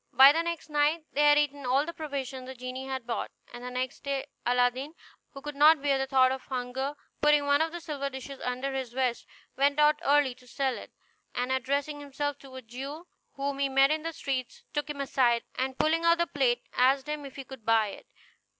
By the next night they had eaten all the provisions the genie had brought; and the next day Aladdin, who could not bear the thought of hunger, putting one of the silver dishes under his vest, went out early to sell it, and addressing himself to a Jew whom he met in the streets, took him aside, and pulling out the plate, asked him if he would buy it.